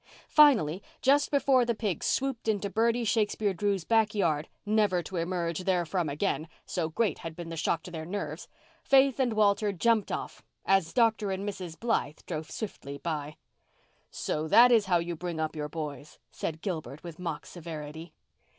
Finally, just before the pigs swooped into Bertie Shakespeare Drew's back yard, never to emerge therefrom again, so great had been the shock to their nerves—Faith and Walter jumped off, as Dr. and Mrs. Blythe drove swiftly by. "So that is how you bring up your boys," said Gilbert with mock severity.